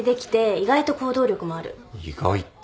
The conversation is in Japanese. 意外って。